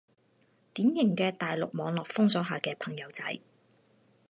典型嘅大陸網絡封鎖下嘅朋友仔